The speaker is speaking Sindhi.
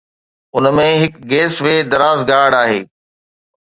ان ۾ هڪ گيس وي دراز گارڊ آهي